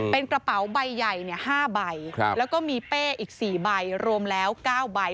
เป็นกระเป๋าใบใหญ่๕ใบแล้วก็มีเป้อีก๔ใบรวมแล้ว๙ใบ